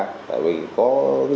tại vì có dấu vết